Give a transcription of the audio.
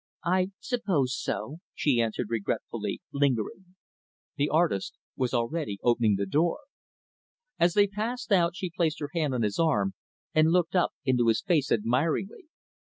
"I suppose so," she answered regretfully lingering. The artist was already opening the door. As they passed out, she placed her hand on his arm, and looked up into his face admiringly.